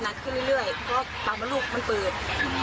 เมื่อกี๊ตัวลูกตามันเปิด